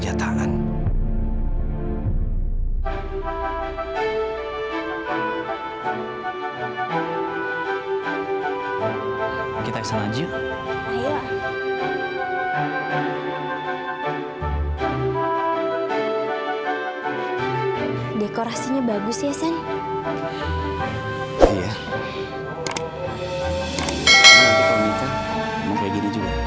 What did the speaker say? acaranya aja belum dimulai